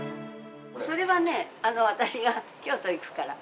それはね、私が京都行くから。